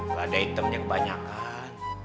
lada hitamnya kebanyakan